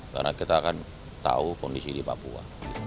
karena kita akan tahu kondisi di papua